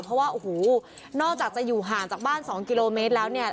เพราะว่าโอ้โหนอกจากจะอยู่ห่างจากบ้าน๒กิโลเมตรแล้วเนี่ย